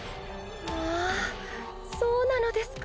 「まあそうなのですか。